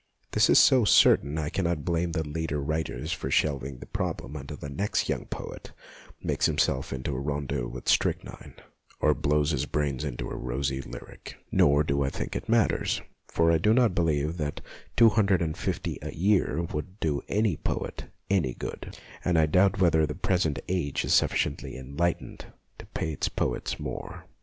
This is so certain that I cannot blame the leader writers for shelv ing the problem until the next young poet makes himself into a rondeau with strych nine, or blows his brains into a rosy lyric. Nor do I think it matters, for I do not believe that two hundred and fifty a year would do any poet any good, and I doubt whether the present age is sufficiently en lightened to pay its poets more.